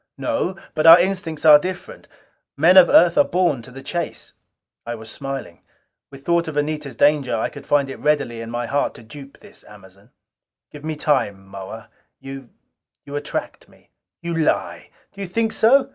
"No. But our instincts are different. Men of Earth are born to the chase." I was smiling. With thought of Anita's danger I could find it readily in my heart to dupe this Amazon. "Give me time, Moa. You attract me." "You lie!" "Do you think so?"